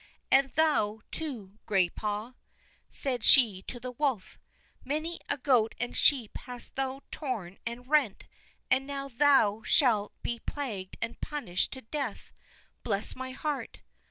And thou, too, Graypaw," she said to the wolf; "many a goat and sheep hast thou torn and rent, and now thou shalt be plagued and punished to death. Bless my heart!